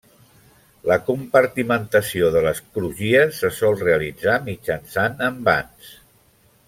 La compartimentació de les crugies se sol realitzar mitjançant envans.